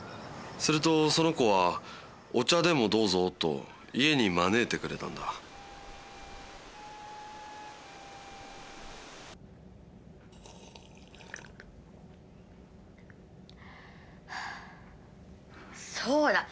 するとその子は「お茶でもどうぞ」と家に招いてくれたんだはぁ。